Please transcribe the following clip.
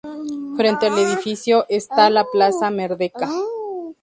Frente al edificio está la Plaza Merdeka.